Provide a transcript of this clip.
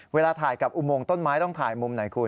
เวลาถ่ายกับอุโมงต้นไม้ต้องถ่ายมุมไหนคุณ